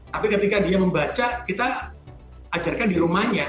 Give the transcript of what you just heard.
tapi ketika dia membaca kita ajarkan di rumahnya